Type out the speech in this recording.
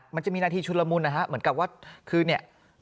มันจะมีนาทีชุดละมุนนะฮะเหมือนกับว่าคือเนี่ย